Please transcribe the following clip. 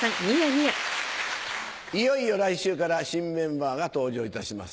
いよいよ来週から新メンバーが登場いたします。